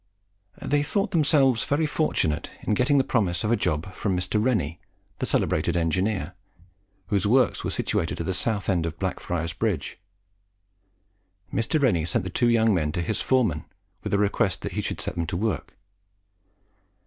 They thought themselves fortunate in getting the promise of a job from Mr. Rennie, the celebrated engineer, whose works were situated at the south end of Blackfriars Bridge. Mr. Rennie sent the two young men to his foreman, with the request that he should set them to work.